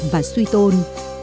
và suy tôn